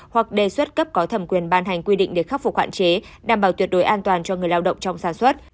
hoặc đề xuất cấp có thẩm quyền ban hành quy định để khắc phục hạn chế đảm bảo tuyệt đối an toàn cho người lao động trong sản xuất